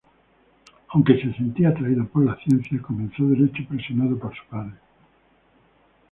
Aunque se sentía atraído por las ciencias, comenzó Derecho presionado por su padre.